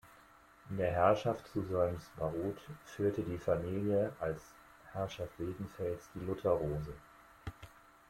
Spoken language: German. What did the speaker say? In der Herrschaft zu Solms-Baruth führte die Familie als Herrschaft Wildenfels die Lutherrose.